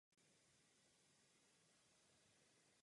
Autory jsou Angus Young Malcolm Young a Brian Johnson.